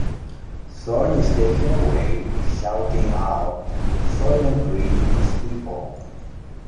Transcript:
Thorn is taken away, shouting out: Soylent Green is people!